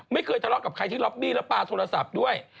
ไม่เคยทะเลาะกับใครที่ล็อบบี้แล้วปลาโทรศัพท์ด้วย